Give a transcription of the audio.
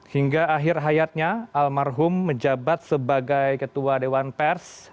hingga akhir hayatnya almarhum menjabat sebagai ketua dewan pers